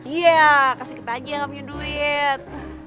iya kasih kita aja yang gak punya duit